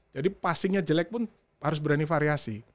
jadi passingnya jelek pun harus berani variasi